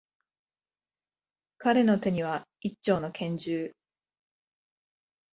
彼の手には、一丁の拳銃。